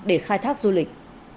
để khai thác du lịch